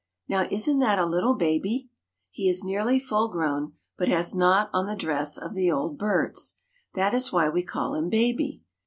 Now, isn't that a little baby? He is nearly full grown but has not on the dress of the old birds; that is why we call him baby.